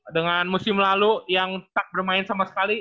dengan musim lalu yang tak bermain sama sekali